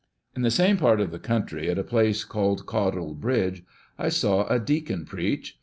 In the same part of the country, at a place called Caudle Bridge, I saw a deacon preach.